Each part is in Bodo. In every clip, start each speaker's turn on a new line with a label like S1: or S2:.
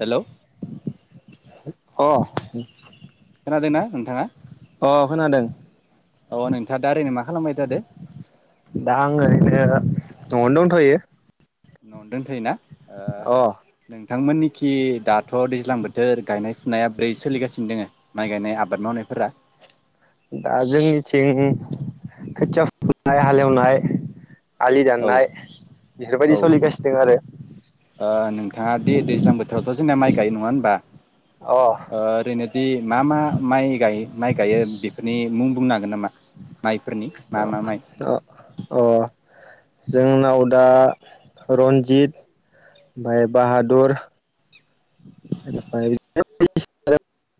S1: हेलौ
S2: अ
S1: खोनादों ना नोंथाङा
S2: अ खोनादों
S1: अ नोंथाङा दा ओरैनो मा खालामबाय थादो
S2: दा आङो बि नआवनो दंथयो
S1: नआव दोंथयो ना ओ
S2: अ
S1: नों नोंथांमोननिखि दाथ दैज्लां बोथोर गायनाय फुनाया ब्रै सोलिगासिनो दोङो माइ गायनाय आबाद मावनायफोरा
S2: दा जोंनिथिं खोथिया फुनाय हालेवनाय आलि
S1: औ
S2: दाननाय बेफोरबायदि
S1: औ
S2: सोलिगासिनो दं आरो
S1: ओ नोंथाङा दि दैज्लां बोथोरावथ जोंना माइ गायो नङा होनबा
S2: अ
S1: ओ ओरैनोथ बि मा मा माइ गायो माइ गायो बेफोरनि मुं बुंनो हागोन नामा? माइफोरनि मा मा माइ
S2: अ जोंनाव दा रन्जित ओमफाय बाहादुर बेनिफ्राय [unintelligible]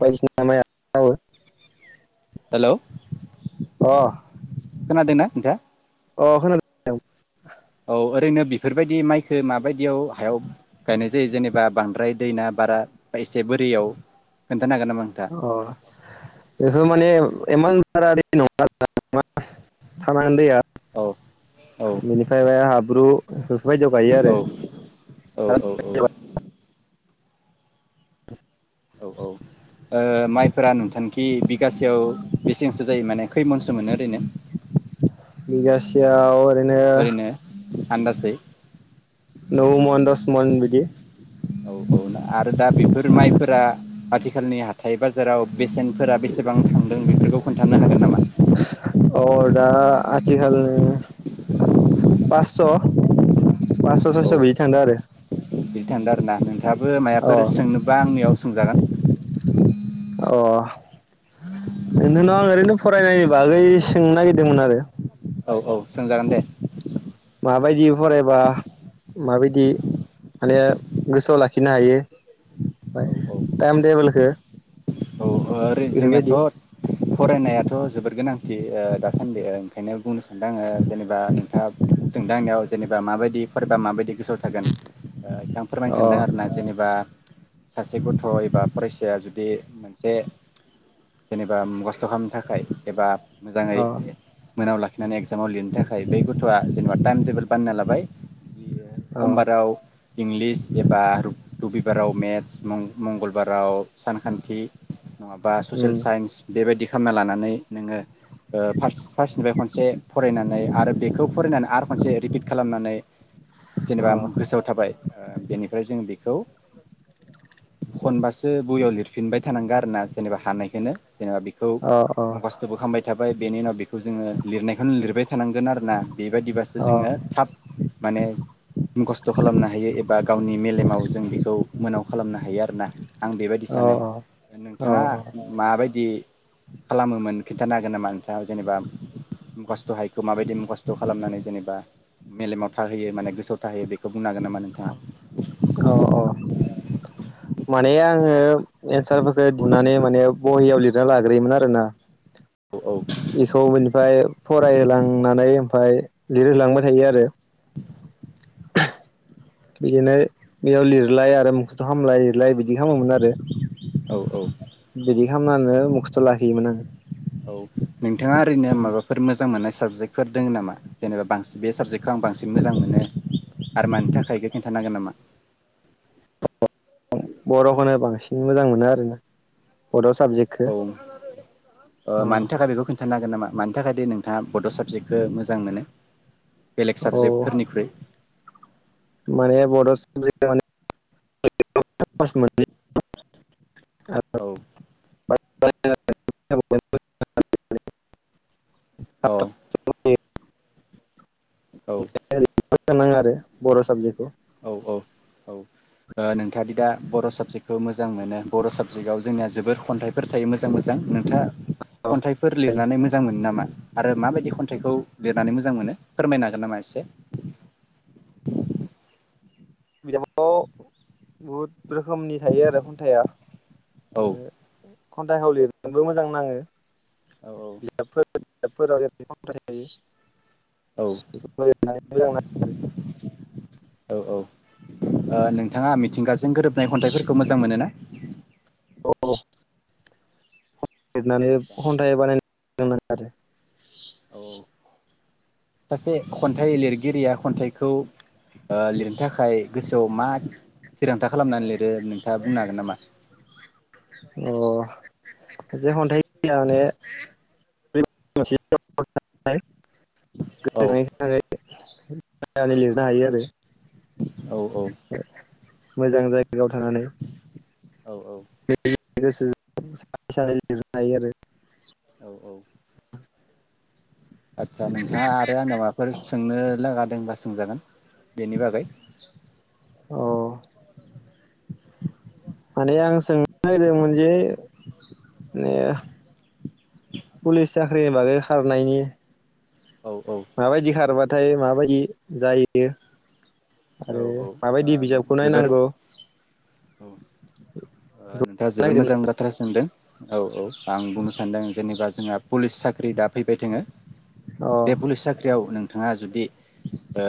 S2: बायदिसिना माइ आबाद मावो
S1: हेल'
S2: अ
S1: खोनादो ना नोंथाङा?
S2: अ [inaudible]
S1: औ ओरैनो बिफोरबायदि माइखो माबायदियाव हायाव गायनाय जायो जेनेबा बांद्राय दैना बारा एसे बोरियाव खोन
S2: अ बेफोर माने इमान बारा दै नङा नामा थानानै दैया
S1: औ औ औ
S2: बिनिफ्राय सा बाय हाब्रु [unintelligible] बे बायदियाव गायो
S1: औ औ
S2: आरो [unintelligible]
S1: औ औ औ माइफोरा नुथांखि बिगासेयाव बेसांसो जायो माने खैमनसो मोनो ओरैनो?
S2: बिगासेयाव
S1: ओरैनो आनदासै
S2: नौ मन दस मन बिदि
S1: औ औ आरो दा बेफोर माइ फोरा आथिखालनि हाथाय बाजाराव बेसेनफोरा बेसेबां थांदों बेफोरखौ खोन्थानो हागोन नामा?
S2: अ दा आथिखाल पास स'
S1: औ बिदि थांदों आरोना नोंथाङाबो
S2: अ
S1: माबाफोर सोंनोबा आंनियाव सोंजागोन।
S2: बिनिनाव आं ओरैनो फरायनायनि बागै सोंनो नागिरदोंमोन आरो
S1: औ औ सोंजागोन दे
S2: माबायदि फरायबा माबायदि माने गोसोआव लाखिनो हायो?
S1: औ औ
S2: टाइम टेबोलखौ
S1: औ ओरै
S2: बेफोरबायदि
S1: जोंनियाथ' फरायनायाथ' जोबोद गोनांथि ओ दासान्दि ओ ओंखायनो बुंनो सान्दों आङो जेनेबा नोंथाङा जों दा आंनियाव जेनेबा माबायदि फरायबा माबायदि गोसोआव थागोन ओ थां फोरमायनो
S2: अ
S1: सानदों आरोना जेनेबा सासे गथ' एबा फरायसा या जुदि मोनसे जेनेबा मखस्थ' खालामनो थाखाय एबा मोजाङै
S2: अ
S1: मोनायाव लाखिनानै एक्जामाव लिरनो थाखाय बै गथ'आ जेनेबा टाइम टेबोल बानायना लाबाय जि ए
S2: अ
S1: समबाराव इंलिस एबा रबिबाराव मेथ्स मं मंगलबाराव सानखान्थि इ नङाबा ससेेल
S2: उम
S1: साइन्स बेबायदि खालामना लानानै नोङो फास्ट फार्स्टनिफ्राय खनसे फरायनानै आरो बेखौ फरायनानै आरो खनसे रिपिट खालामनानै
S2: अ
S1: जेनेबा
S2: अ
S1: गोसोआव थाबाय बेनिफ्राय जोंङो बेखौ खनबासो बहियाव लिर फिनबाय थानांगोन आरो ना जेनेबा हानायखोनो जेनेबा बिखौ
S2: अ
S1: मुंखास्थ'बो खामबाय थाबाय बेनि उनाव बेखौ जोङो लिरनायखौनो लिरबाय थानांगोन आरो ना। बेबायदिबासो जोङो थाब- माने मुखस्थ' खालामनो हायो एबा गावनि मेलेमाव जों बेखौ मोनाव खालामनो हायो आरो ना। आं बेबायदि
S2: अ
S1: सानो। नोंथाङा
S2: अ
S1: माबायदि खालामोमोन खिन्थानो हागोन नामा नोंथाङा जेनेबा मखस्थ' हायखौ माबायदि मखस्थ' खालामनानै जेनेबा मेलेमाव थाहोयो माने गोसोआव थाहोयो बेखौ बुंनो हागोन नामा नोंथाङा?
S2: अ माने आङो एन्सारफोरखौ दुनानै माने बहियाव लिरना लाग्रोयोमोन आरोना
S1: औ औ
S2: बिखौ बिनिफ्राय फरायहोलांनानै ओमफाय लिरहोलांबाय थायो आरो बिदिनो बेयाव लिरलाय आरो मोखसथ' हामलाय लिरलाय बिदि खालामोमोन आरो
S1: औ औ
S2: बिदि खालामनानै मुख्थ' लाखियोमोन आङो
S1: औ नोंथाङा ओरैनो माबाफोर मोजां मोननाय साबजेक्टफोर दोङो नामा जेनेबा बसि बे साबजेक्टखौ आं बांसिन मोजां मोनो आरो मानि थाखाय इखो गोन्थानो हागोन नामा?
S2: बर'खनो बांसिन मोजां मोनो आरोना बड' साबजेक्टखौ
S1: औ मानि थाखाय बेखौ खिन्थानो हागोन नामा? मानि थाखाय दि नोंथाङा बड' साबजेक्टखो मोजां मोनो? बेलेग
S2: औ
S1: साबजेक्टफोरनिख्रुइ
S2: माने बड' साबजेक्ट आनो [inaudible]
S1: औ
S2: [unintelligible]
S1: अ औ
S2: [unintelligible] नाङो आरो बर' साबजेक्टखौ
S1: औ औ औ नोंथाङादि दा बर' साबजेक्ट खो मोजां मोनो बर' साब जिगाव जोंनिया जोबोर खन्थाइफोर थायो मोजां मोजां। नोंथाङा
S2: औ
S1: खन्थाइफोर लिरनानै मोजां मोनो नामा? आरो माबायदि खन्थाइखौ लिरनानै मोजां मोनो फोरमायनो हागोन नामा एसे
S2: [unintelligible] बहुद रोखोमनि थायो आरो खन्थाइआ
S1: औ
S2: बेनो खन्थाइ हाव लिरनोबो मोजां नाङो
S1: औ औ औ
S2: [unintelligible] [inaudible]
S1: [inaudible] ओ नोंथाङा मिथिंगाजों गोरोबनाय खन्थाइफोरखौ मोजां मोनो ना
S2: औ औ लिरनानै खन्थाइ बानायनो [inaudible] आरो
S1: औ सासे खन्थाइ लिरगिरिया खन्थाइखौ ओ लिरनो थाखाय गोसोआव मा थिरांथा खालामनानै लिरो नोंथाङा बुंनो हागोन नामा
S2: अ जे खन्थाइया [inaudible] माने [inaudible] गो [unintelligible] जो [unintelligible]
S1: औ
S2: न ना [inaudible] नै लिरनो हायो आरो
S1: औ औ
S2: मोजां जायगायाव थानानै
S1: औ औ
S2: गोसोजों [unintelligible] सनै सानै लिरनो हायो आरो
S1: औ औ आदसा नोंथाङा आरो आंनिआव माबाफोर सोंनो लागा दोंबा सोंजागोन बेनि बागै
S2: औ माने आं सोंनो [unintelligible] नागिरदोंमोन जे माने पुलिस चाख्रिनि बागै खारनायनि
S1: औ औ
S2: माबायदि खारोबार नाथाय माबायदि जायो बेयो
S1: औ औ ओ जोबोर औ
S2: नायनांगौ बेखौ
S1: नोंथाङा जोबोर
S2: नागिरदोंमोन
S1: मोजां बाथ्रा सोंदों। औ औ आं बुंनो सानदों जेनेबा जोंहा पुलिस साख्रि दा फैबाय दोङो।
S2: अ
S1: बे पुलिस साख्रियाव नों नोंथाङा जुदि ओ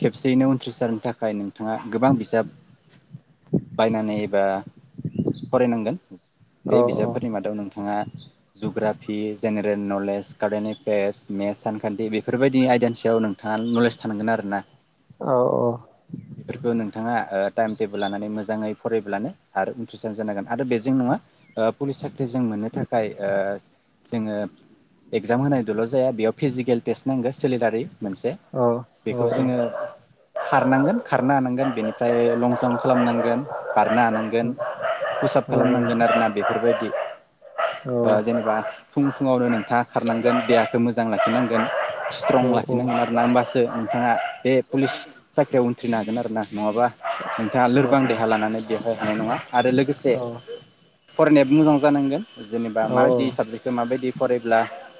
S1: खेबसेयैनो उनथ्रिसा जारनि थाखाय नों थाङा गोबां बिजाब बायनानै एबा फरायनांगोन
S2: औ
S1: बे बिजाबफोरनि मादाव नोंथाङा geography general knowledge current affairs maths सानखान्थि बेफोरबायदि आयदानि सायाव नोंथाङा नलेज थानांगोन आरो ना।
S2: औ
S1: बेफोरखौ नोंथाङा ओ टाइम टेबोल लानानै मोजाङै फरायब्लानो आरो उनथ्रिसार जानांगोन आरो बेजों नङा ओ पुलिस साख्रि जों मोननो थाख थाखाय ओ जोङो एगजाम होनायदोल' जाया बेयाव फिजिकेल टेस्ट नांगो सलिलारि
S2: औ औ औ
S1: खारनांगोन खारनो हानांगोन बेनिफ्राय लं जाम्प खालामनांगोन बारनो
S2: औ
S1: हानांगोन फुसाब खालामनांगोन आरोना बेफोर बेबायदि आ जेनेबा फुं फुङावनो नोंथाङा खारनांगोन देहाखौ मोजां लाखिनांगोन। स्ट्रं
S2: औ
S1: लाखिनांगोन आरो ना होमबासो नोंथाङा बे पुलिस साख्रियाव उनथ्रिनो हागोन आरो ना। नङाबा नोंथाङा
S2: औ
S1: लोरबां
S2: औ
S1: देहा लानानै बेवहाय हानाय नङा आरो
S2: औ
S1: लोगोसे फरायनायाबो मोजां जानांगोन। जेनेबा
S2: औ
S1: माबायदि साबजेकखौ माबायदि फरायब्ला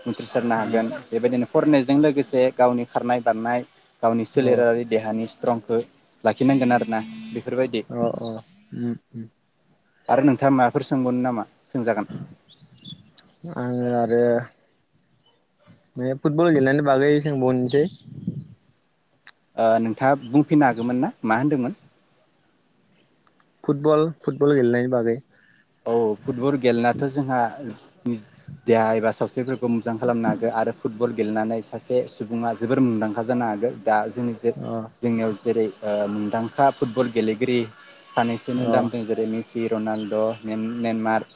S1: उनथ्रिसारनो हागोन बेबायदिनो फरायनायजों लोगोसे गावनि खारनाय बारनाय गावनि
S2: औ
S1: सोलेरारि नि स्ट्रंखौ लाखिनांगोन आरोना बे
S2: अ अ उम उम
S1: आरो नोंथाङा माबाफोर सोंगौन नामा? सोंजागोन
S2: आङो आरो माने फुटबल गेलेनायनि बागै सोंबोनोसै
S1: ओ नोंथाङा बुंफिननो हागौमोन ना मा होनदोंमोन?
S2: फुटबल फुटबल गेलेनायनि बागै
S1: औ फुटबल गेलेनायाथ' जोंहा देहा एबा सावस्रिफोर मोजां खालामनो हागो आरो फुटबल गेलेनानै सासे सुबुङा जोबोर मुंदांखा जानो हागोन। दा जोंनि जे
S2: अ
S1: जोंनियाव जेरै ओ मुंदांखा फुटबल गेलेगिरि सानैसोनि
S2: अ
S1: नाम दं जेरै पि रनालद' मेन मेनमार्क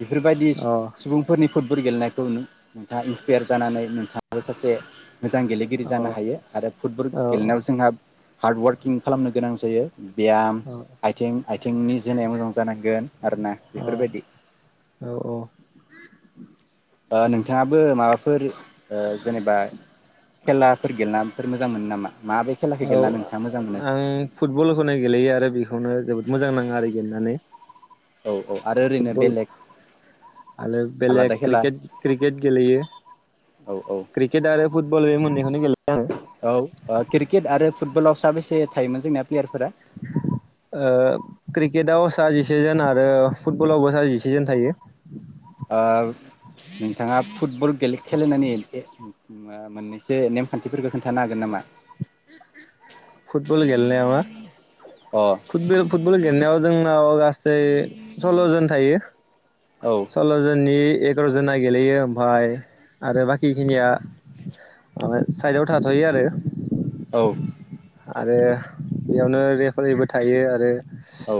S1: बेफोरबायदि
S2: अ
S1: सुबुंफोरनि फुटबल गेलेनायखौ नोंथाङा इन्सपायार जानानै नोंथाङाबो सासे मोजां गेलेगिरि
S2: अ औ
S1: जानो हायो आरो फुटबल
S2: औ
S1: गेलेनायाव जोंहा हार्ड वार्किं खालामनो गोनां जायो। बेयाम आइथिं आइथिंनि जोनाया मोजां जानांगोन आरोना बेफोरबायदि
S2: औ औ औ
S1: ओ नोंथाङाबो माबा फोर ओ जेनेबा खेलाफोर गेलेनाफोर मोजां मोनो नामा? माबे खेलाखौ
S2: औ
S1: गेलेना नोंथाङा मोजां मोनो
S2: आं फुटबलखौनो गेलेयो आरो बेखौनो जोबोद मोजां नाङो आरो गेलेनानै
S1: औ औ आरो ओरैनो
S2: फुटबल
S1: बेलेग
S2: आरो
S1: आलादा
S2: बेलेग
S1: खेला
S2: क्रिकेट क्रिकेट गेलेयो
S1: औ औ
S2: क्रिकेट आरो फुटबल बे मोननैखौनो गेलेयो आं।
S1: औ ओ क्रिकेट आरो फुटबलाव साबेसे थायोमोन जोंना प्लेयारफोरा?
S2: ओ क्रिकेटाव सा जिसेजोन आरो फुटबलावबो सा जिसेजोन थायो।
S1: ओ नोंथाङा फुटबले गेले खेलेनायनि ओ मोननैसो नेमखान्थिफोरखौ खोनथानो हागोन नामा?
S2: फुटबल गेलेनायाव ना
S1: अ औ
S2: फुटबेल फुटबल गेलनायाव जोंनाव गासै सै सल्ल' जन थायो।
S1: औ
S2: सल्ल' जोननि एगार' जना गेलेयो ओमफ्राय आरो बाकि खिनिया ओमफाय साइडआव थाजायो आरो।
S1: औ
S2: आरो बेयावनो रेफारिबो थायो आरो।
S1: औ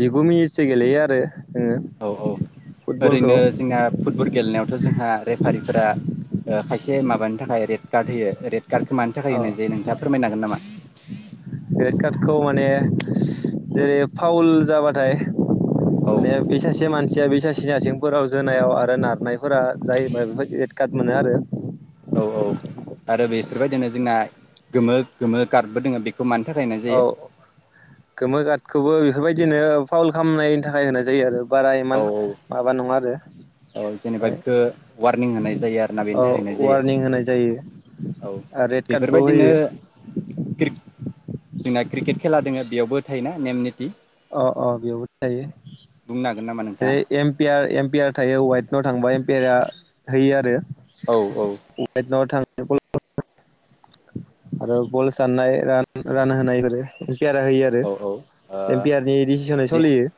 S2: जिगु मिनिटसो गेलेयो आरो जोङो
S1: औ औ
S2: फुटबलखौ
S1: ओरैनो जोंनिया फुटबल गेलेनायावथ' जोंहा रेफारिफोरा ओ खायसे माबानि थाखाय रेड कार्ड होयो रेड कार्डखौ मानि थाखाय
S2: औ
S1: होनाय जायो नोंथाङा फोरमायनो हागोन नामा?
S2: रेड कार्डखौ माने जेरै फाउल जाबाथाय
S1: औ
S2: माने बे सासे मानसिया बे सासे आथें आथें फोराव जोनायाव आरो नारनाय फोरा जायोबा बेबायदि रेड कार्ट मोनो आरो
S1: औ औ आरो बेफोरबायदिनो जोंना गोमो गोमो कार्डबो दोङो बे
S2: औ गोमो कादखौबो बेफोरबायदिनो फाउल खालामनायनि थाखाय होनाय जायो आरो बारा इमान
S1: औ
S2: माबा नङा आरो
S1: औ जेनेबा
S2: ओमफ्राय
S1: गो वारनिं होनाय जायो आरो ना बेनि
S2: औ
S1: थाखाय होननाय जायो
S2: वारनिं होनाय जायो
S1: औ
S2: रेड कार्डबो
S1: बेफोरबायदिनो
S2: होयो
S1: फिर जोंना क्रिकेट खेला दोङो बेयावबो थायोना नेम निथि।
S2: अ अ बेयावबो थायो।
S1: बुंनो हागोन ना?
S2: ओ एमपियार एमपियार थायो वाइद आव थांबा एमपियारा होयो आरो
S1: औ औ
S2: वाइदनाव थां [unintelligible] आरो बल साननाय रान रान होनायफोर इफोरो पियारा होयो आरो
S1: औ औ ओ
S2: एम्पियारनि डिसिसन
S1: जे
S2: सलियो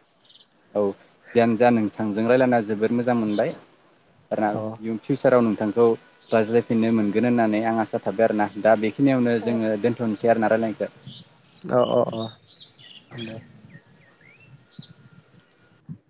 S1: औ जियानो जा नोंथांजों रायज्लायना जोबोर मोजां मोनबाय आरोना
S2: अ
S1: इयुनफिउसाराव नोंथांखौ रायज्लायफिननो मोनगोन गोन होननानै आं आसा थाबाय आरो ना दा बेख बेखिनियावनो जोङो दोन्थ'नोसै आरो ना राय्लायनायखौ
S2: आ